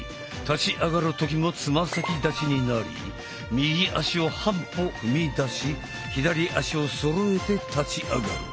立ち上がる時もつま先立ちになり右足を半歩踏み出し左足をそろえて立ち上がる。